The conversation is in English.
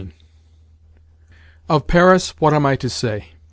XVI Of Paris what am I to say?